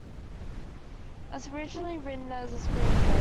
It was originally written as a screenplay.